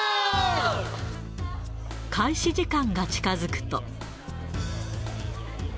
開始時間が近づくと。